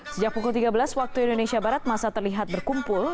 sejak pukul tiga belas waktu indonesia barat masa terlihat berkumpul